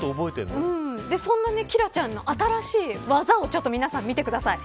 そんなキラちゃんの新しい技を皆さん、見てください。